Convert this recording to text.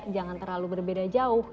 jangan terlalu berbeda jauh